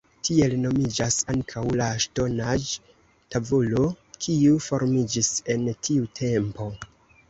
Tiel nomiĝas ankaŭ la ŝtonaĵ-tavolo, kiu formiĝis en tiu tempo.